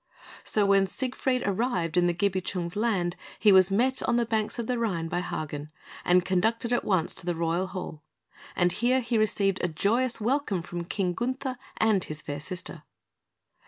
So when Siegfried arrived in the Gibichungs' land he was met on the banks of the Rhine by Hagen, and conducted at once to the royal Hall; and here he received a joyous welcome from King Gunther and his fair sister.